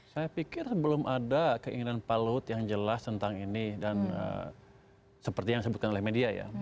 saya pikir sebelum ada keinginan pak luhut yang jelas tentang ini dan seperti yang disebutkan oleh media ya